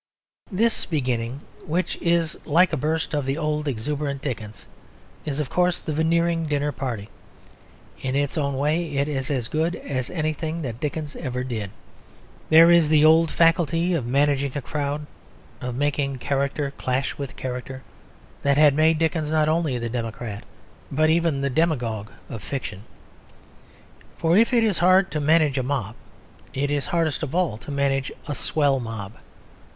This beginning, which is like a burst of the old exuberant Dickens, is, of course, the Veneering dinner party. In its own way it is as good as anything that Dickens ever did. There is the old faculty of managing a crowd, of making character clash with character, that had made Dickens not only the democrat but even the demagogue of fiction. For if it is hard to manage a mob, it is hardest of all to manage a swell mob.